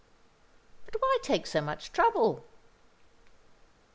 "But why take so much trouble?"